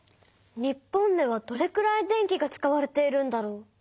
日本ではどれくらい電気が使われているんだろう？